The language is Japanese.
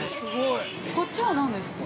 こっちは何ですか。